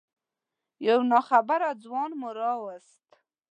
یو ناخبره ځوان مو راوست.